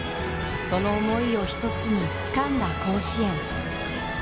その思いを一つに、つかんだ甲子園。